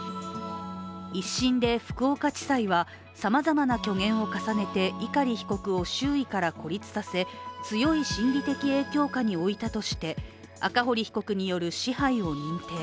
１審で福岡地裁はさまざまな虚言を重ねて碇被告を周囲から孤立させ強い心理的影響下に置いたとして赤堀被告による支配を認定。